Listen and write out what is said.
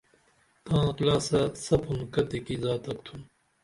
تاں کِلاسہ سپُن کتیکی زاتک تُھن؟